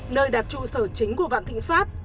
nơi đặt trụ sở chính của vạn thịnh pháp